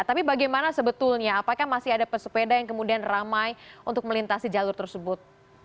tapi bagaimana sebetulnya apakah masih ada pesepeda yang kemudian ramai untuk melintasi jalur tersebut